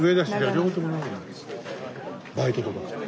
バイトとか？